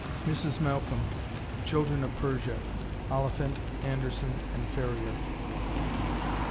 (Mrs. Malcolm, "Children of Persia," Oliphant, Anderson & Ferrier.)